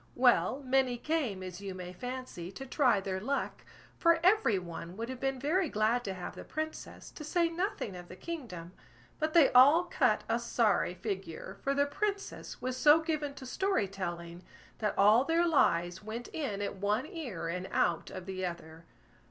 Well, many came, as you may fancy, to try their luck, for every one would have been very glad to have the Princess, to say nothing of the kingdom; but they all cut a sorry figure, for the Princess was so given to story telling, that all their lies went in at one ear and out of the other.